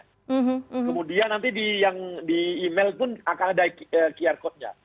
kemudian nanti yang di email pun akan ada qr code nya